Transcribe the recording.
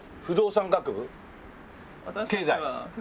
不動産学部。